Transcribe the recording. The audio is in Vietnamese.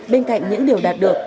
bên cạnh những điều đạt được